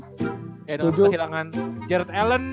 dengan kehilangan jarret allen